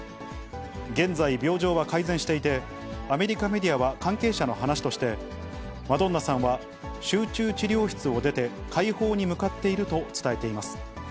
現在、病状は改善していて、アメリカメディアは関係者の話として、マドンナさんは集中治療室を出て、快方に向かっていると伝えています。